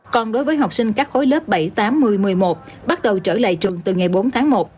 còn đối với học sinh các khối lớp bảy tám một mươi một mươi một bắt đầu trở lại trường từ ngày bốn tháng một